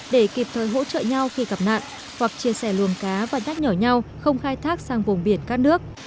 để kịp thời hỗ trợ nhau khi gặp nạn hoặc chia sẻ luồng cá và nhắc nhở nhau không khai thác sang vùng biển các nước